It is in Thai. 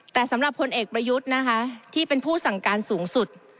แต่สำหรับพลเอกประยุทธ์นะคะที่เป็นผู้สั่งการสูงสุด